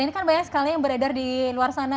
ini kan banyak sekali yang beredar di luar sana